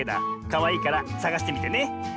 かわいいからさがしてみてね！